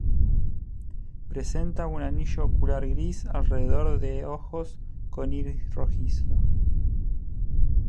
Presenta un anillo ocular gris alrededor de ojos con iris rojizo.